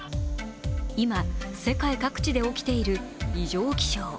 今、世界各地で起きている異常気象。